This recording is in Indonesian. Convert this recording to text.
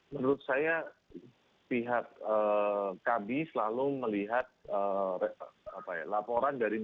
menurut saya pihak kb selalu mencari penyelenggaraan